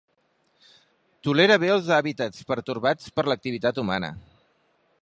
Tolera bé els hàbitats pertorbats per l'activitat humana.